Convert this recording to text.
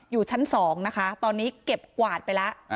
อยู่ชั้น๒นะคะตอนนี้เก็บกวาดไปแล้ว